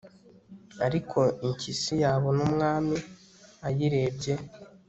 ariko impyisi yabona umwami ayirebye